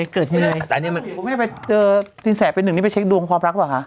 ผมไม่ได้ไปเจอสินสัยเป็นหนึ่งนี่ไปเช็คดวงความรักเหรอคะ